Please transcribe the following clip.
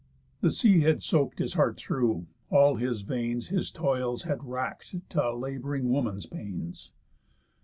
The sea had soak'd his heart through; all his veins His toils had rack'd t' a labouring woman's pains.